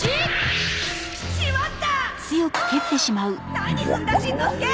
何すんだしんのすけ！